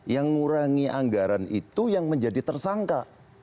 yang ngurangi anggaran itu yang menjadi tersangka